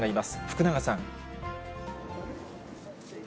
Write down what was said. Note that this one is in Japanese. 福永さん。